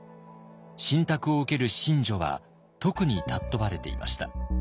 神託を受ける神女は特に尊ばれていました。